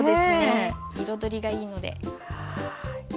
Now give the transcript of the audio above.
彩りがいいので。